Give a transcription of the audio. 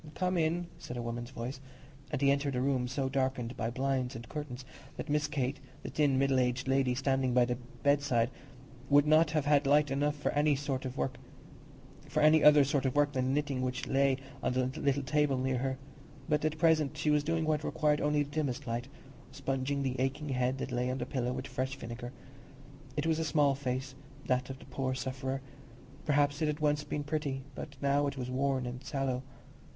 "Come in," said a woman's voice, and he entered a room so darkened by blinds and curtains that Miss Kate, the thin middle aged lady standing by the bedside, would not have had light enough for any other sort of work than the knitting which lay on the little table near her. But at present she was doing what required only the dimmest light—sponging the aching head that lay on the pillow with fresh vinegar. It was a small face, that of the poor sufferer; perhaps it had once been pretty, but now it was worn and sallow.